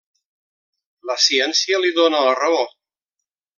La ciència li dóna la raó.